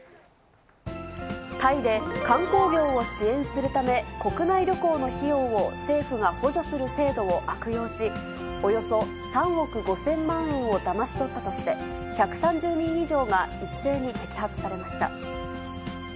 タイで、観光業を支援するため、国内旅行の費用を政府が補助する制度を悪用し、およそ３億５０００万円をだまし取ったとして、１３０人以上が一斉に摘発されました。